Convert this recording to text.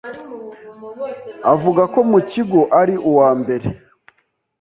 avuga ko mu kigo ari uwambere